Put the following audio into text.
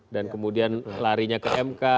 dan kemudian larinya ke mk